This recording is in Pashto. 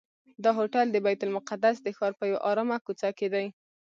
دا هوټل د بیت المقدس د ښار په یوه آرامه کوڅه کې دی.